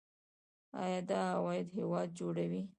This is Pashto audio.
آیا دا عواید هیواد جوړوي؟